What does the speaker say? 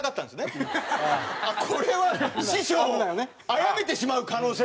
あっこれは師匠を殺めてしまう可能性があると。